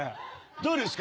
どうですか？